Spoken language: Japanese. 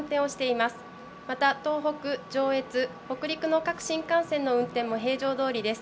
また、東北、上越、北陸の各新幹線の運転も平常どおりです。